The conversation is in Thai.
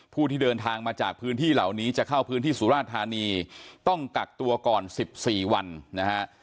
ผู้ที่เดินทางมาจากพื้นที่เหล่านี้จะเข้าพื้นที่สุราธานีต้องกักตัวก่อน๑๔วันนะฮะ